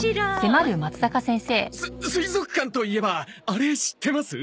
す水族館といえばあれ知ってます？